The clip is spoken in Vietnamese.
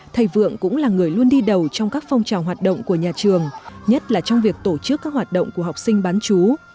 thầy vượng cũng là người luôn đi đầu trong các phong trào hoạt động của nhà trường nhất là trong việc tổ chức các hoạt động của học sinh bán chú